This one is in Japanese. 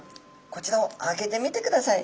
こちらを開けてみてください。